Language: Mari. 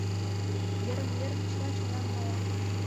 Йырым-йыр чыла чонан мала.